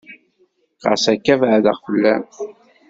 Xas akka beɛdeɣ fell-am.